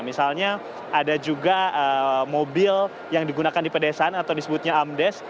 misalnya ada juga mobil yang digunakan di pedesaan atau disebutnya amdes